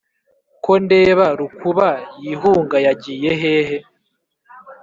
ko ndeba rukuba, yihunga yagiye hehe?!